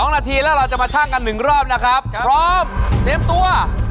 ๒นาทีแล้วเราจะมาชั่งกัน๑รอบนะครับพร้อมเตรียมตัว